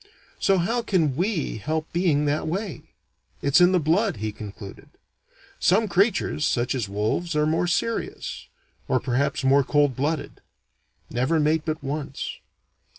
"So how can we help being that way? It's in the blood," he concluded. "Some creatures, such as wolves, are more serious; or perhaps more cold blooded. Never mate but once.